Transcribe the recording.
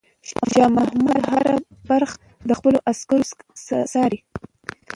شاه محمود هره برخه د خپلو عسکرو څاري.